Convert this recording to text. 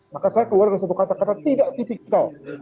maka saya keluar dengan satu kata kata tidak tipikal